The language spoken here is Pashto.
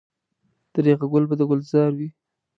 درېغه ګل به د ګلزار وي.